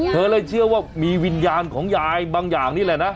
เธอเลยเชื่อว่ามีวิญญาณของยายบางอย่างนี่แหละนะ